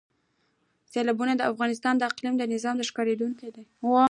سیلابونه د افغانستان د اقلیمي نظام ښکارندوی ده.